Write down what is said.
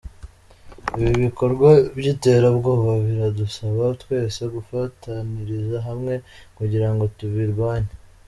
Ibi bikorwa by’iterabwoba biradusaba twese gufataniriza hamwe kugira ngo tubirwanye”.